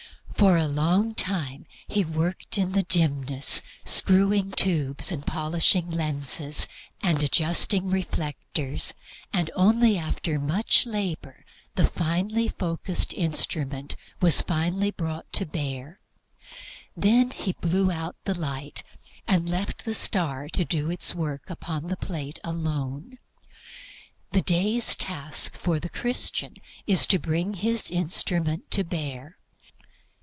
For a long time he worked in the dimness, screwing tubes and polishing lenses and adjusting reflectors, and only after much labor the finely focused instrument was brought to bear. Then he blew out the light, and left the star to do its work upon the plate alone. The day's task for the Christian is to bring his instrument to bear.